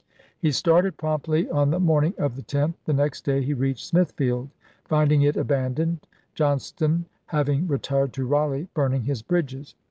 He started promptly on the morning of the 10th; the next day he reached Smithfield, find ing it abandoned, Johnston having retired to Raleigh, burning his bridges.